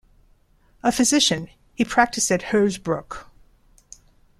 A physician, he practised at Hersbruck.